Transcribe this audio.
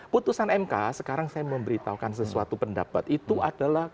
putusan mk sekarang saya memberitahukan sesuatu pendapat itu adalah